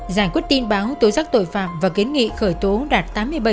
giải quyết tin báo tối giắc tội phạm và kiến nghị khởi tố đạt tám mươi bảy hai